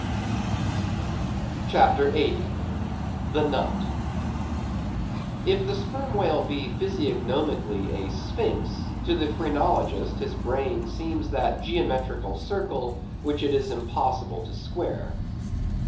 CHAPTER 80. The Nut. If the Sperm Whale be physiognomically a Sphinx, to the phrenologist his brain seems that geometrical circle which it is impossible to square.